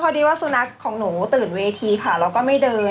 พอดีว่าสุนัขของหนูตื่นเวทีค่ะแล้วก็ไม่เดิน